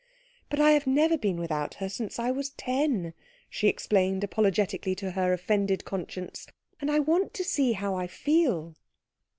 "But I have never been without her since I was ten," she explained apologetically to her offended conscience, "and I want to see how I feel."